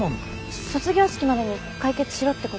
卒業式までに解決しろってこと？